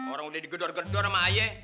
orang udah digedor gedor sama aye